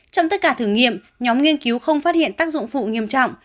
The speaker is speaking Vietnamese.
trong tất cả thử nghiệm nhóm nghiên cứu không phát hiện tác dụng phụ nghiêm trọng